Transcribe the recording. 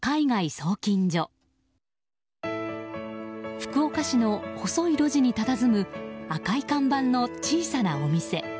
福岡市の細い路地にたたずむ赤い看板の小さなお店。